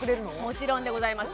もちろんでございます